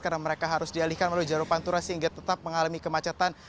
karena mereka harus dialihkan melalui jarum pantura sehingga tetap mengalami kemacetan